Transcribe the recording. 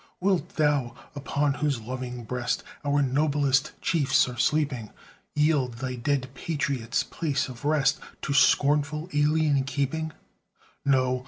Wilt thou, upon whose loving breast Our noblest chiefs are sleeping, Yield thy dead patriots' place of rest To scornful alien keeping? No!